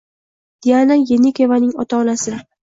Diana Yenikeyevaning ota-onasi